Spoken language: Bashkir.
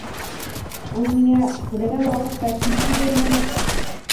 Ул миңә... теләгән ваҡытта кил тигәйне.